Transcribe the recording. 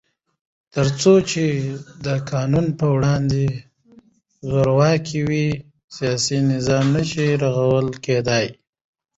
تر څو چې د قانون په وړاندې زورواکي وي، سیاسي نظام نشي رغول کېدای.